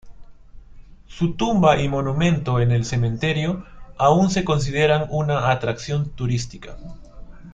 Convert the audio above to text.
Su tumba y monumento en el cementerio aún se consideran una atracción turística.